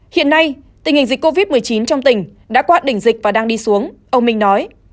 hiện nay tình hình dịch covid một mươi chín trong tỉnh đã qua đỉnh dịch và đang đi xuống ông minh nói